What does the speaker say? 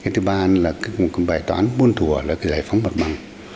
thứ ba là bài toán buôn thủa là giải phóng mặt bằng